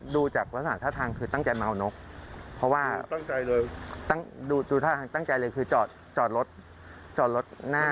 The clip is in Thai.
ดูจากลักษณะท่าทางคือตั้งใจมาเอานกเพราะว่าดูท่าทางตั้งใจเลยคือจอดรถจอดรถหน้า